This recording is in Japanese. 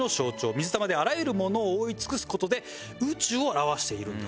水玉であらゆるものを覆い尽くす事で宇宙を表しているんだと。